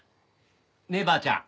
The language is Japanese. ねえばあちゃん。